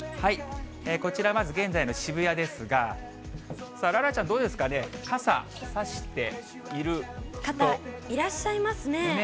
こちら、まずは現在の渋谷ですが、楽々ちゃん、どうですかね、いらっしゃいますね。